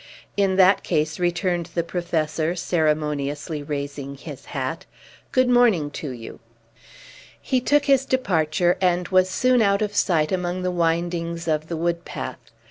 "In that case," returned the Professor, ceremoniously raising his hat, "good morning to you." He took his departure, and was soon out of sight among the windings of the wood path.